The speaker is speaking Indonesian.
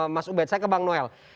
mas ubed saya ke bang noel